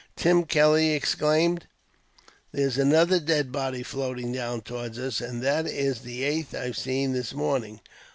Tim Kelly exclaimed. "There's another dead body, floating down towards us, and that is the eighth I've seen this morning.